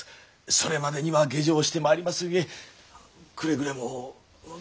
それまでには下城してまいりますゆえくれぐれもくれぐれも。